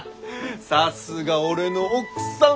さすが俺の奥さん！